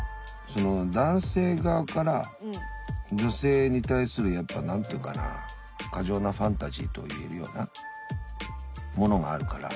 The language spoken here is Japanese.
その男性側から女性に対するやっぱ何て言うかな過剰なファンタジーと言えるようなものがあるから。